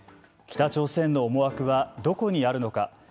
北朝鮮の思惑はどこにあるのか。